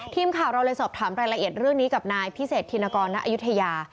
ทีมข่าวเราเลยสอบถามรายละเอียดเรื่องนี้กับนายพิเศษธินกรณอายุทยา